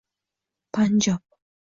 Panjob